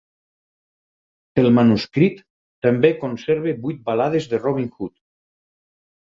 El manuscrit també conserva vuit balades de Robin Hood.